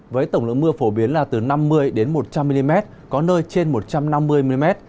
với tổng lượng mưa phổ biến là từ năm mươi một trăm linh mm có nơi trên một trăm năm mươi mm